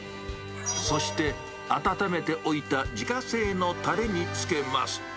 そして温めておいた自家製のたれにつけます。